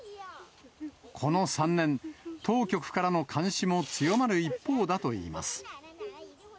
この３年、当局からの監視も強まる一方だといいます。